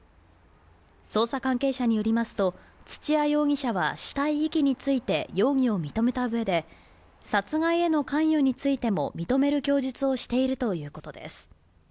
捜査関係者によりますと、土屋容疑者は死体遺棄について容疑を認めたうえで、殺害への関与についても認める供述をしているということです。